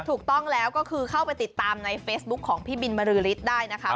ถูกต้องแล้วก็คือเข้าไปติดตามในเฟซบุ๊คของพี่บินบรือฤทธิ์ได้นะคะ